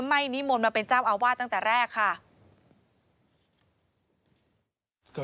นิมนต์มาเป็นเจ้าอาวาสตั้งแต่แรกค่ะ